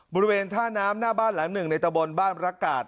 บริเวณท่าน้ำหน้าบ้านหลังหนึ่งในตะบนบ้านระกาศ